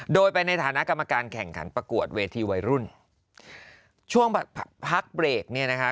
โดยไปในฐานะกรรมการแข่งขันประกวดเวทีวัยรุ่นช่วงพักเบรกเนี่ยนะคะ